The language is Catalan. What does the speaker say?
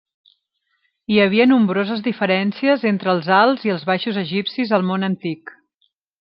Hi havia nombroses diferències entre els alts i els baixos egipcis al món antic.